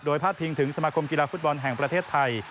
พาดพิงถึงสมาคมกีฬาฟุตบอลแห่งประเทศไทย